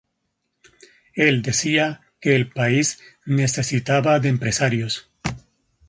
Él decía que el país necesitaba de empresarios.